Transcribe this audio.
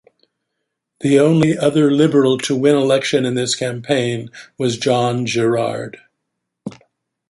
The only other Liberal to win election in this campaign was Jon Gerrard.